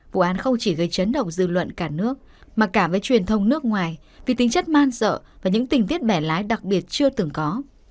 vụ án không chỉ gây chấn động dư luận cả nước mà cả với truyền thông nước ngoài vì tính chất man sợ và những tình tiết bẻ lái đặc biệt chưa từng có